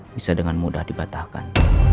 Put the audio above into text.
bisa dengan mudah dibatahkan